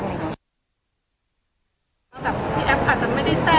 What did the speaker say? แบบที่แอฟอาจจะไม่ได้แซ่บ